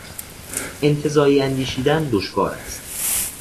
انتزاعی اندیشیدن دشوار است